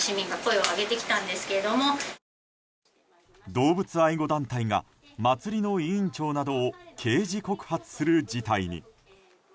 動物愛護団体が祭りの委員長などを刑事告発する事態に。